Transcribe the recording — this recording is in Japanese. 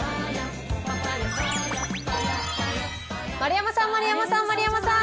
丸山さん丸山さん丸山さん。